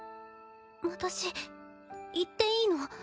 私行っていいの？